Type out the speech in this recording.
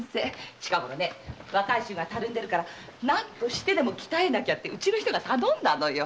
近ごろ若い衆がたるんでるから何としてでも鍛えなきゃってうちの人が頼んだのよ。